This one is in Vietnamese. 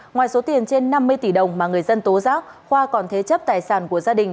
ngoài số tiền trên năm mươi tỷ đồng mà người dân tố giác khoa còn thế chấp tài sản của gia đình